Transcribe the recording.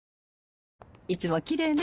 いつもきれいね。